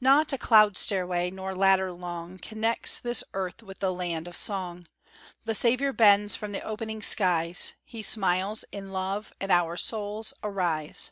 Not a cloud stairway, nor ladder long, Connects this earth with the land of song; The Saviour bends from the opening skies He smiles in love, and our souls arise.